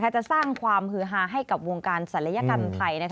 จะสร้างความฮือฮาให้กับวงการศัลยกรรมไทย